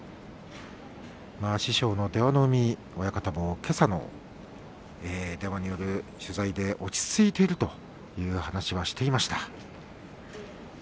師匠の出羽海親方もけさの電話による取材で落ち着いているという話をしていました。